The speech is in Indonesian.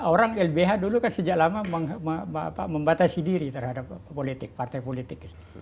orang lbh dulu kan sejak lama membatasi diri terhadap politik partai politik